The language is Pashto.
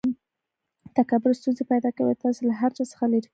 تکبر ستونزي پیدا کوي او تاسي له هر چا څخه ليري کوي.